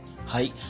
はい。